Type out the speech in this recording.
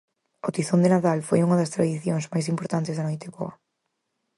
O tizón de Nadal foi unha das tradicións máis importantes da Noiteboa.